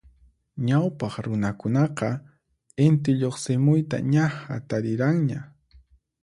Ñawpaq runakunaqa Inti lluqsimuyta ña hatariranña.